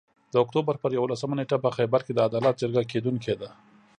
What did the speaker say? د اُکټوبر پر یوولسمه نیټه په خېبر کې د عدالت جرګه کیدونکي ده